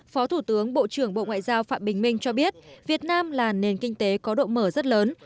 phó thủ tướng bộ trưởng bộ ngoại giao phạm bình minh cho biết việt nam là nền kinh tế có độ mở rất lớn